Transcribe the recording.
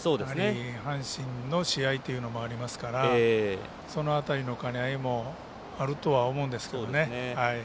阪神の試合というのもありますしその辺りの兼ね合いもあるとは思いますけどね。